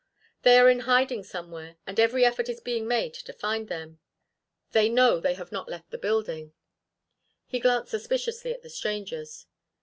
They are in hiding somewhere, and every effort is being made to find them. They know they have not left the building." He glanced suspiciously at the strangers.